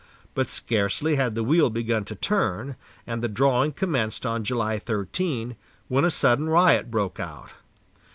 But scarcely had the wheel begun to turn, and the drawing commenced on July 13, when a sudden riot broke out.